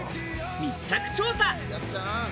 密着調査。